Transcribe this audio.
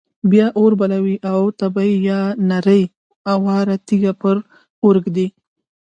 بیا اور بلوي او تبۍ یا نرۍ اواره تیږه پر اور ږدي.